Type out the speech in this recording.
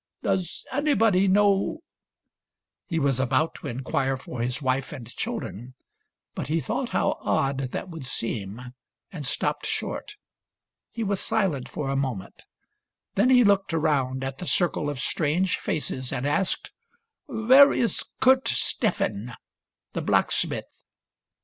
Does anybody know —" He was about to inquire for his wife and children ; but he thought how odd that would seem, and stopped short. He was silent for a moment ; then he looked around at the circle of strange faces and asked, "Where is Kurt Steffen, the black smith